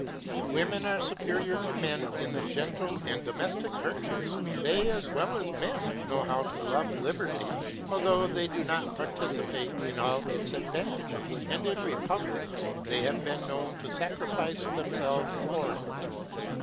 Women are superior to men in the gentle and domestic virtues; they, as well as men, know how to love liberty, although they do not participate in all its advantages; and in republics they have been known to sacrifice themselves for it.